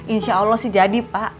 insya allah sih jadi pak